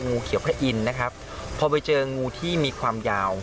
งูเขียวพระอินทร์นะครับพอไปเจองูที่มีความยาว